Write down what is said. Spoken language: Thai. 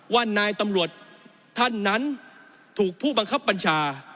ว่านายตำรวจท่านนั้นถูกผู้บังคับบัญชา